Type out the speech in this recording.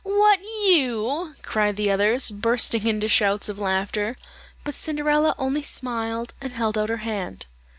"What, you?" cried the others, bursting into shouts of laughter; but Cinderella only smiled, and held out her hand.